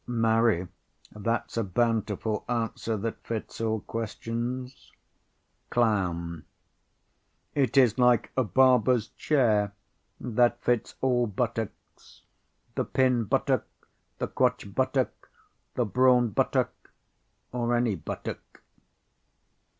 Marry, that's a bountiful answer that fits all questions. CLOWN. It is like a barber's chair, that fits all buttocks—the pin buttock, the quatch buttock, the brawn buttock, or any buttock.